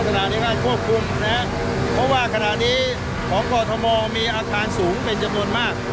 ราธนาที่มันควบคุมนะฮะเพราะว่าขณะนี้ของก่อธมมมีอาคารสูงเป็นจำนวนมาก